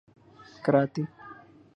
کراتی